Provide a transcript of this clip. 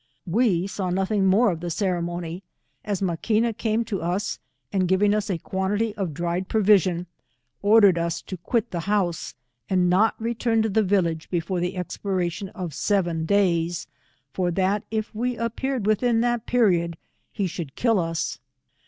We saw nothing more of the ceremony, as Maquina came to us, and giving us a quantity of dried provision^ ordered us to quit the house and not return to the village before the expiration of seven days, for that if we appeared within that period, he should kill us.